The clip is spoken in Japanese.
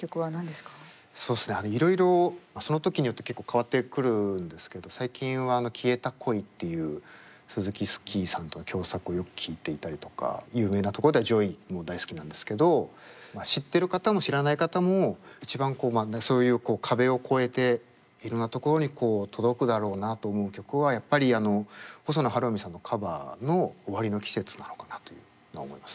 そうですねいろいろその時によって結構変わってくるんですけど最近は「きえたこい」っていうｓｕｚｕｋｉｓｋｉさんとの共作をよく聴いていたりとか有名なところでは「ｊｏｙ」も大好きなんですけど知ってる方も知らない方も一番そういうこう壁を越えていろんなところにこう届くだろうなと思う曲はやっぱりあの細野晴臣さんのカバーの「ｏｗａｒｉｎｏｋｉｓｅｔｓｕ」なのかなというのは思います。